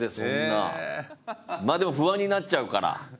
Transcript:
まあでも不安になっちゃうから。